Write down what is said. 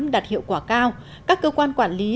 đạt hiệu quả cao các cơ quan quản lý